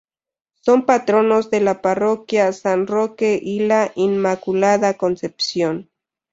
Son patronos de la parroquia San Roque y la Inmaculada Concepción.